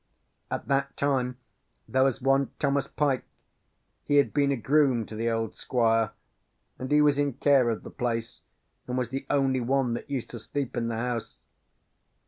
"At that time there was one Thomas Pyke; he had been a groom to the old Squire; and he was in care of the place, and was the only one that used to sleep in the house.